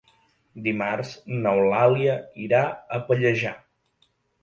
Dimarts n'Eulàlia irà a Pallejà.